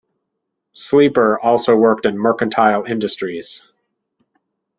Sleeper also worked in mercantile industries.